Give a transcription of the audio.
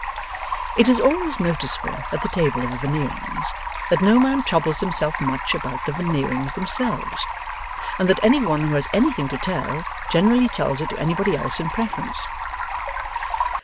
It is always noticeable at the table of the Veneerings, that no man troubles himself much about the Veneerings themselves, and that any one who has anything to tell, generally tells it to anybody else in preference.